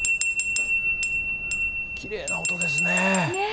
きれいな音ですね。